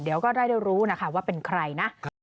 เดี๋ยวก็ได้รู้นะคะว่าเป็นใครนะ